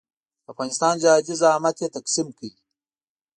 د افغانستان جهادي زعامت یې تقسیم کړ.